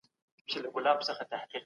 توى كړې ګراني!